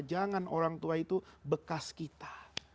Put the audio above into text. jangan orang tua itu bekas kita